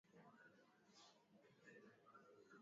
Kinachotakiwa ni kuiunga mkono serikali ya awamu ya nane